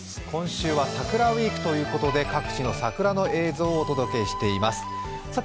今週は「桜ウィーク」ということで各地の桜の映像をお届けしています。